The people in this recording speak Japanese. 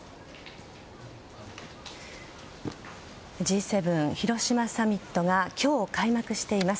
Ｇ７広島サミットが今日、開幕しています。